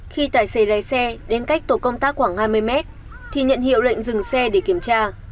khi tài xế lái xe đến cách tổ công tác khoảng hai mươi mét thì nhận hiệu lệnh dừng xe để kiểm tra